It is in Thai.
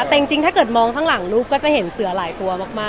แต่จริงถ้าเกิดมองข้างหลังลูกก็จะเห็นเสือหลายตัวมาก